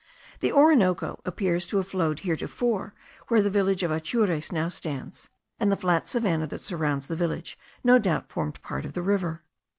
The Orinoco appears to have flowed heretofore where the village of Atures now stands, and the flat savannah that surrounds the village no doubt formed part of the river.